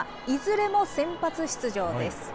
いずれも先発出場です。